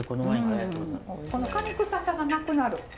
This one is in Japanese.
この蟹臭さがなくなる。